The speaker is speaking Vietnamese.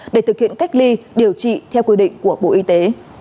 để thực hiện cách ly điều trị theo quy định của bộ y tế